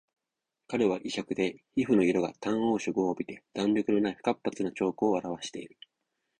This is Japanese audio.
彼は胃弱で皮膚の色が淡黄色を帯びて弾力のない不活発な徴候をあらわしている